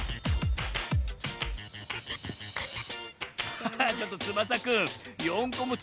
ハハッちょっとつばさくん４こもち